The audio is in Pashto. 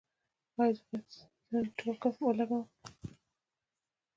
ایا زه باید سټنټ ولګوم؟